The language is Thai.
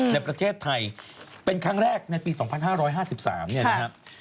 ในประเทศไทยเป็นครั้งแรกในปี๒๕๕๓เนี่ยนะครับ